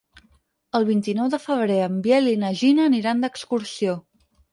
El vint-i-nou de febrer en Biel i na Gina aniran d'excursió.